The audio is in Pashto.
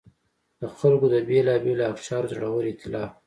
د خلکو د بېلابېلو اقشارو زړور اېتلاف و.